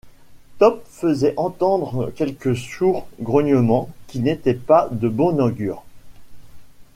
Top faisait entendre quelques sourds grognements qui n’étaient pas de bon augure.